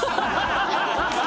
ハハハハ！